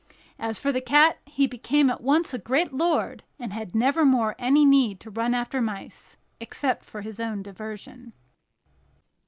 As for the cat, he became at once a great lord, and had nevermore any need to run after mice, except for his own diversion.